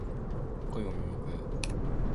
恋は盲目